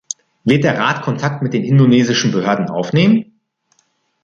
Wird der Rat Kontakt mit den indonesischen Behörden aufnehmen?